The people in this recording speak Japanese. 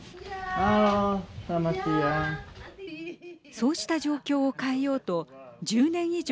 そうした状況を変えようと１０年以上